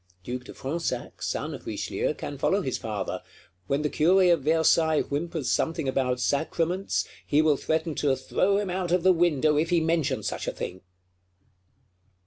Duke de Fronsac, son of Richelieu, can follow his father: when the Curé of Versailles whimpers something about sacraments, he will threaten to "throw him out of the window if he mention such a thing."